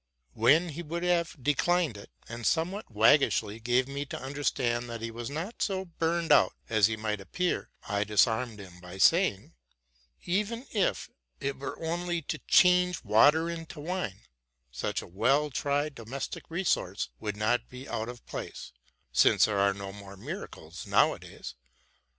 When he would have declined it, and somewhat waggishly gaye me to understand that he was not so burned out as he might appear, I disarmed him by saying, '' Even if it were only to change water into wine, such a well tried domestic re source would not be out of place, since there are no more miracles nowadays.